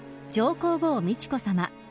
皇后美智子さま